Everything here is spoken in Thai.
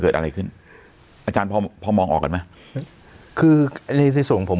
เกิดอะไรขึ้นอาจารย์พอพอมองออกกันไหมคือในในส่วนของผม